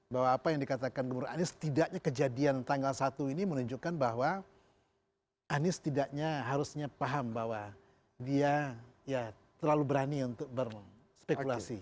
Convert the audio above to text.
bahwa apa yang dikatakan gubernur anies setidaknya kejadian tanggal satu ini menunjukkan bahwa anies tidaknya harusnya paham bahwa dia ya terlalu berani untuk berspekulasi